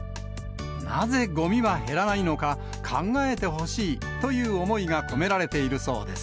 なぜごみは減らないのか、考えてほしいという思いが込められているそうです。